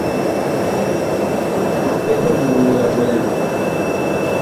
Ɓɔ bisɛ bi wuee a welan.